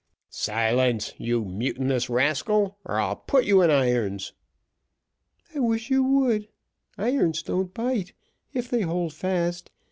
"Silence, you mutinous rascal, or I'll put you in irons." "I wish you would irons don't bite, if they hold fast.